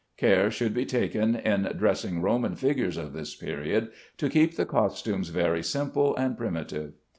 Care should be taken, in dressing Roman figures of this period, to keep the costumes very simple and primitive.